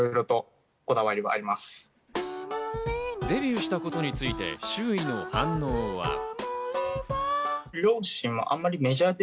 デビューしたことについて、周囲の反応は。